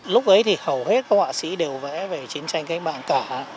lúc ấy thì hầu hết các họa sĩ đều vẽ về chiến tranh cách mạng cả